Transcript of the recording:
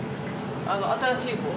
あの新しいほう？